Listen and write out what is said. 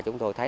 chúng tôi thấy